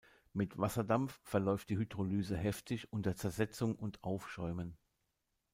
Mit Wasserdampf verläuft die Hydrolyse heftig unter Zersetzung und Aufschäumen.